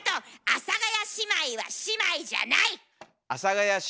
阿佐ヶ谷姉妹は姉妹じゃない。